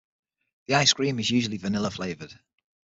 The ice cream is usually vanilla flavoured.